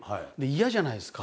嫌じゃないですか。